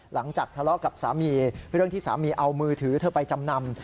หลังจากทะเลาะกับสามีเรื่องที่สามีเอามือถือเธอไปจำนำ